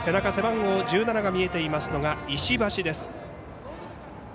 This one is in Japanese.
背番号１７が見えているのが石橋です。